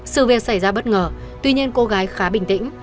sự việc xảy ra bất ngờ tuy nhiên cô gái khá bình tĩnh